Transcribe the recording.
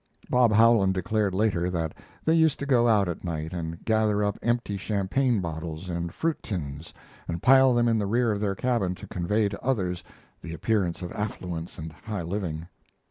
Bob Howland declared later that they used to go out at night and gather up empty champagne bottles and fruit tins and pile them in the rear of their cabin to convey to others the appearance of affluence and high living.